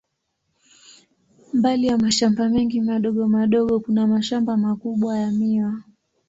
Mbali ya mashamba mengi madogo madogo, kuna mashamba makubwa ya miwa.